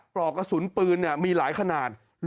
ปลอกกระสุนปืนมีหลายขนาด